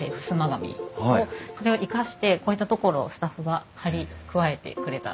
紙をそれを生かしてこういった所をスタッフが貼り加えてくれたんです。